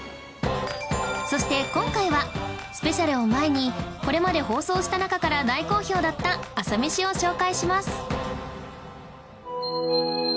そして今回はスペシャルを前にこれまで放送した中から大好評だった朝メシを紹介します